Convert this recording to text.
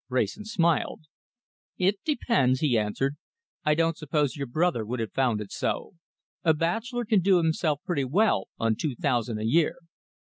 Wrayson smiled. "It depends," he answered. "I don't suppose your brother would have found it so. A bachelor can do himself pretty well on two thousand a year."